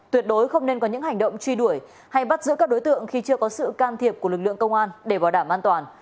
tuyệt đối không nên có những hành động truy đuổi hay bắt giữ các đối tượng khi chưa có sự can thiệp của lực lượng công an để bảo đảm an toàn